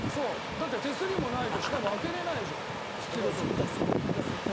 だって手すりもないとしかも開けられないじゃん引き戸とか。